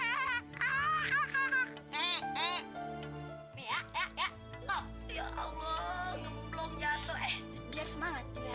eh biar semangat juga hatinya ya